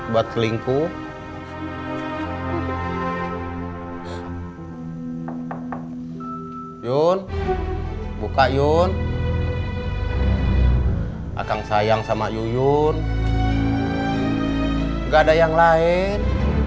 buat selingkuh yun buka yun akan sayang sama yuyun enggak ada yang lain